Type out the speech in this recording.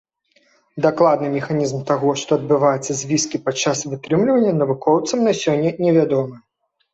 Дакладны механізм таго, што адбываецца з віскі падчас вытрымлівання, навукоўцам на сёння невядомы.